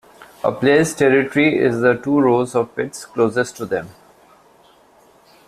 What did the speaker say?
A player's territory is the two rows of pits closest to them.